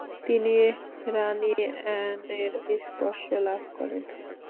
তিনি রানী অ্যানের স্পর্শ লাভ করেন।